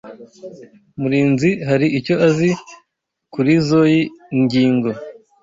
Murinzi hari icyo azi kurizoi ngingo.